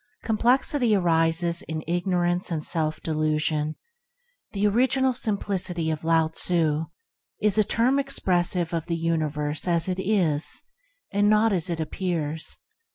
Complexity arises in ignorance and self delusion. The "Original Simplicity" of Lao tze is a term expressive of the universe as it is, and not as it appears.